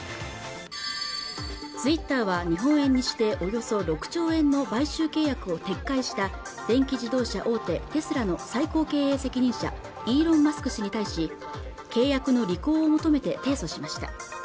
ツイッターは日本円にしておよそ６兆円の買収契約を撤回した電気自動車大手テスラの最高経営責任者イーロン・マスク氏に対し契約の履行を求めて提訴しました